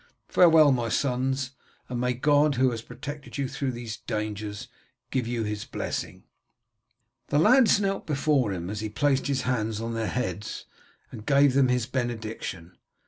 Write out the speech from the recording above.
Farewell, my sons, and may God who has protected you through these dangers give you his blessing." The lads knelt before him as he placed his hands on their heads and gave them his benediction.